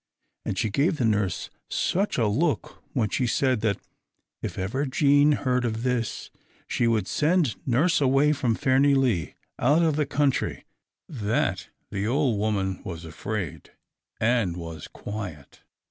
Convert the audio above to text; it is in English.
And she gave the nurse such a look when she said that, "if ever Jean heard of this, she would send nurse away from Fairnilee, out of the country," that the old woman was afraid, and was quiet.